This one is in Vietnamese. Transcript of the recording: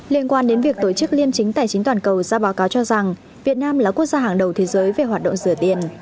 liên quan đến việc tổ chức liêm chính tài chính toàn cầu ra báo cáo cho rằng việt nam là quốc gia hàng đầu thế giới về hoạt động rửa tiền